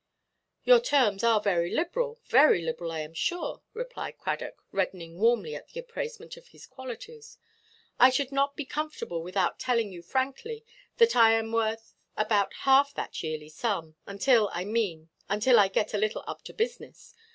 "Your terms are very liberal, very liberal, I am sure," replied Cradock, reddening warmly at the appraisement of his qualities. "I should not be comfortable without telling you frankly that I am worth about half that yearly sum; until, I mean, until I get a little up to business.